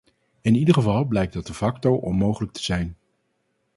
In ieder geval blijkt dat de facto onmogelijk te zijn.